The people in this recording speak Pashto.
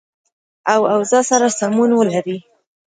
او اوضاع سره سمون ولري